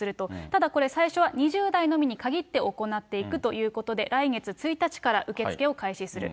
ただこれ、最初は２０代のみに限って行っていくということで、来月１日から受け付けを開始する。